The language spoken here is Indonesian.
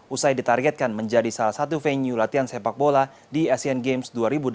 usai ditargetkan menjadi salah satu venue latihan sepak bola di asean games dua ribu delapan belas